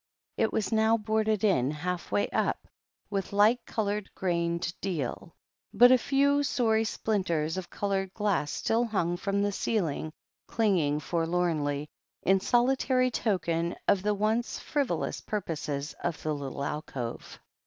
It was now boarded in halfway up with light coloured grained deal, but a few sorry splinters of I02 THE HEEL OF ACHILLES coloured glass still hung from the ceiling, clinking for lornly, in solitary token of the once frivolous purposes of the little alcove.